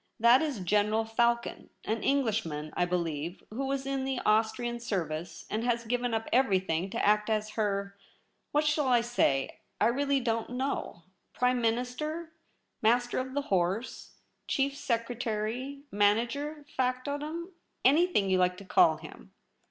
That is General Falcon, an Englishman, I believe, who was in the Austrian service, and has given up everything to act as her — what shall I say ?— I really don't know — Prime Tvlinister, Master of the Horse, Chief Secretary, manager, factotum — anything you like to call him.'